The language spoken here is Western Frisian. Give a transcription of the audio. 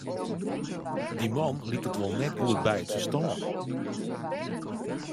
Dy man liket wol net goed by it ferstân.